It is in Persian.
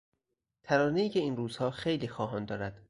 ترانهای که این روزها خیلی خواهان دارد